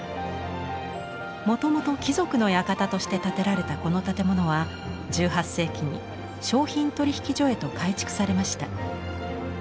もともと貴族の館として建てられたこの建物は１８世紀に商品取引所へと改築されました。